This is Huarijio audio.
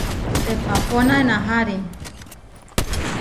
Teʼpapóna ená harí.